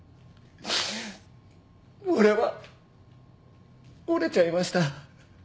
俺は折れちゃいました。